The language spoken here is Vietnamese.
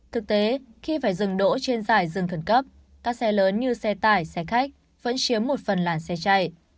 thực tế khi phải dừng đỗ trên giải rừng khẩn cấp các xe lớn như xe tải xe khách vẫn chiếm một phần làn xe chạy